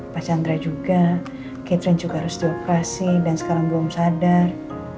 pak chandra juga catherine juga harus beroperasi dan sekarang belum sadar